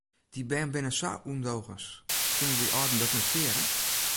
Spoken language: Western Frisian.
Dy bern binne sa ûndogens, kinne de âlden dat net keare?